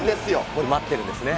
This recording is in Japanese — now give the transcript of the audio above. もう待ってるんですね。